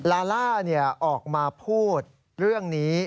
ลาล่าออกมาพูดเรื่องนี้